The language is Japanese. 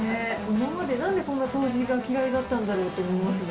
今までなんでこんな掃除が嫌いだったんだろうって思いますね。